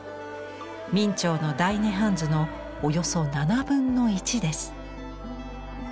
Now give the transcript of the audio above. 明兆の「大涅槃図」のおよそ７分の１です。